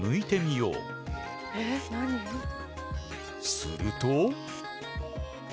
すると。